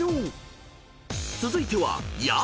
［続いては薮］